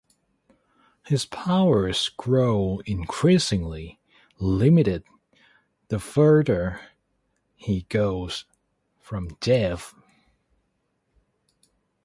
His powers grow increasingly limited the further he goes from Jeff.